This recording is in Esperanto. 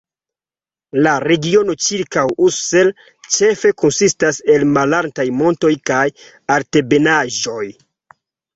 La regiono ĉirkaŭ Ussel ĉefe konsistas el malaltaj montoj kaj altebenaĵoj.